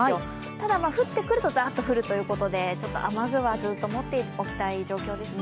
ただ降ってくるとざーっと降るということでちょっと雨具はずっと持っておきたい状況です。